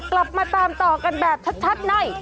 กลับมาตามต่อกันแบบชัดใน